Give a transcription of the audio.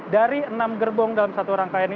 dari enam gerbong dalam satu perhubungan